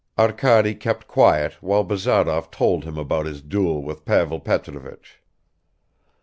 Arkady kept quiet while Bazarov told him about his duel with Pavel Petrovich.